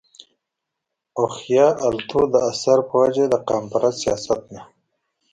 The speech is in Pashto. او خياالتو د اثر پۀ وجه د قامپرست سياست نه